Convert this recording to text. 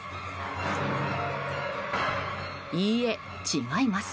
いいえ、違います。